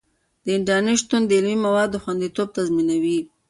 د انټرنیټ شتون د علمي موادو خوندیتوب تضمینوي.